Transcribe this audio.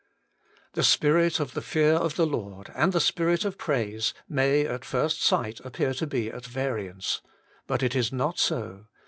4. The spirit of the fear of the Lord and the spirit of praise may, at first sight, appear to be at variance. But it Is not so.